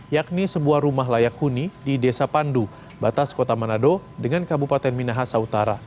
yakni sebuah rumah layak huni di desa pandu batas kota manado dengan kabupaten minahasa utara